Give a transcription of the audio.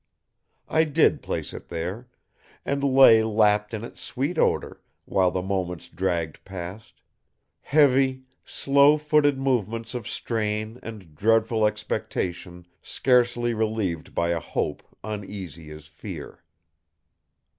I did place it there, and lay lapped in its sweet odor while the moments dragged past; heavy, slow footed moments of strain and dreadful expectation scarcely relieved by a hope uneasy as fear.